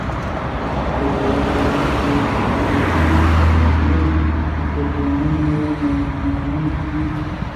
چې طبیعي، پرانستې او د ټولنیز تعامل د بدلونونو منونکې وي